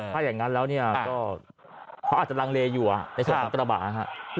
ใฟอย่างงั้นแล้วเนี่ยก็เขาอาจจะรางเลอยู่อ่ะในส่วนตาบาลนะครับ